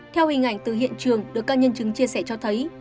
theo hình ảnh từ hiện trường được các nhân chứng chia sẻ cho thấy